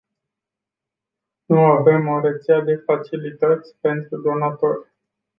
Nu avem o rețea de facilități pentru donatori.